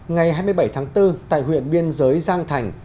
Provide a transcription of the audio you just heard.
ngày hai mươi bảy tháng bốn tại huyện biên giới giang thành